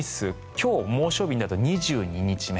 今日、猛暑日になると２２日目。